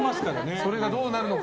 それがどうなるのか。